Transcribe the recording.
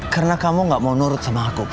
karena kamu gak mau nurut sama aku